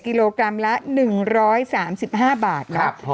กิโลกรัมละ๑๓๕บาทนะ